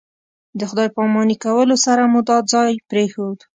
د خدای پاماني کولو سره مو دا ځای پرېښود.